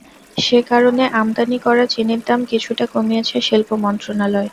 সে কারণে আমদানি করা চিনির দাম কিছুটা কমিয়েছে শিল্প মন্ত্রণালয়।